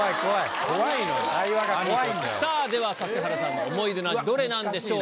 さぁでは指原さんの思い出の味どれなんでしょうか？